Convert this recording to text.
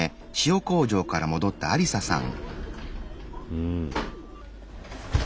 うん。